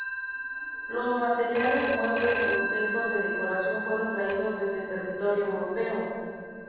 Los materiales, muebles y objetos de decoración fueron traídos desde territorio europeo.